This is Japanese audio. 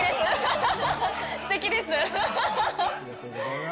すてきです。